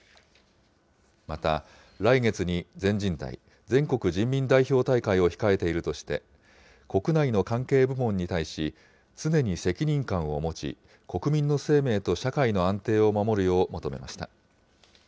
また、来月に全人代・全国人民代表大会を控えているとして、国内の関係部門に対し、常に責任感を持ち、国民の生命と社会の安定を守るよう求めました。